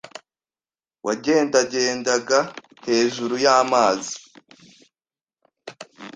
wagendagendaga hejuru y’amazi.